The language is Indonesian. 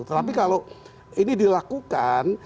tapi kalau ini dilakukan